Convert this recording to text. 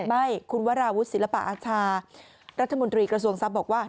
ไม่คุณวราวุฒิศิลปะอาชารัฐมนตรีกระทรวงทรัพย์บอกว่า